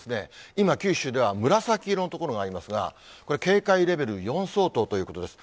今、九州では紫色の所がありますが、これ、警戒レベル４相当ということです。